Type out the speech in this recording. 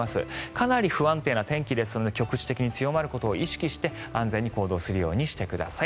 かなり不安定な天気ですので局地的に強まることを意識して安全に行動するようにしてください。